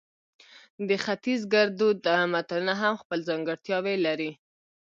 د ختیز ګړدود متلونه هم خپل ځانګړتیاوې لري